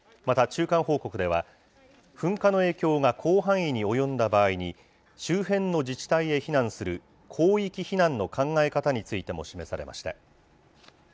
また中間報告では、噴火の影響が広範囲に及んだ場合に、周辺の自治体へ避難する、広域避難の考え方についても示されました。